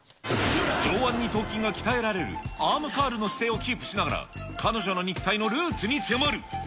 上腕二頭筋が鍛えられるアームカールの姿勢をキープしながら、彼女の肉体のルーツに迫る。